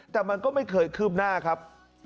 แต่มันก็ไม่เคยคืบหน้าครับ